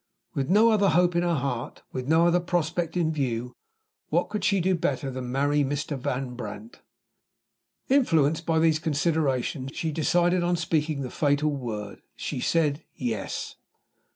With no other hope in her heart with no other prospect in view what could she do better than marry Mr. Van Brandt? Influenced by these considerations, she decided on speaking the fatal word. She said, "Yes."